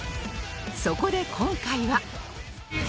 そこで今回は